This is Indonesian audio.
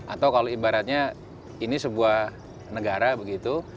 atau kalau ibaratnya ini sebuah negara begitu